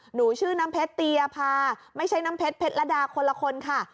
หนูชื่อน้ำเพชรตียภาไม่ใช่น้ำเพชรเพชรละดาคนละคนค่ะ